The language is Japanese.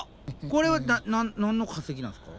これは何の化石なんすか？